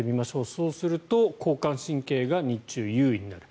そうすると交感神経が日中、優位になる。